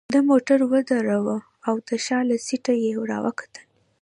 ده موټر ودراوه او د شا له سیټه يې راوکتل.